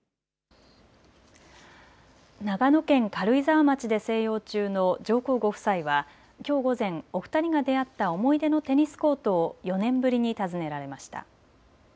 長野県軽井沢町で静養中の上皇ご夫妻はきょう午前、お二人が出会った思い出のテニスコートを４年ぶりに訪ねられました。